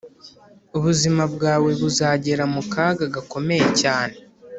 Ubuzima bwawe buzagera mu kaga gakomeye cyane,